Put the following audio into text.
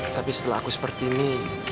tapi setelah aku seperti ini